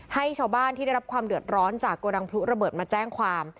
ให้ชาวบ้านที่ได้รับความเดือดร้อนจากโกดังพลุระเบิดมาแจ้งความ